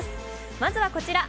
まずはこちら。